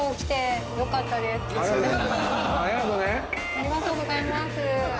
ありがとうございます。